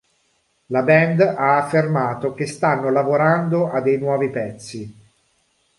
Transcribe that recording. La band ha affermato che stanno lavorando a dei nuovi pezzi.